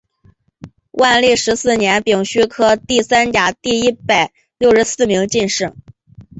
万历十四年丙戌科第三甲第一百六十四名进士。